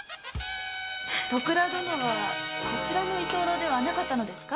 徳田殿はこちらの居候ではなかったのですか？